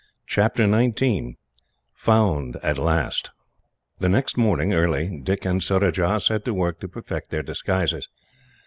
Chapter 19: Found At Last. The next morning, early, Dick and Surajah set to work to perfect their disguises.